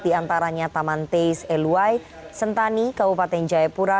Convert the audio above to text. di antaranya taman tais eluai sentani kabupaten jayapura